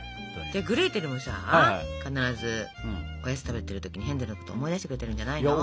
グレーテルもさ必ずおやつ食べてる時にヘンゼルのことを思い出してくれてるんじゃないの？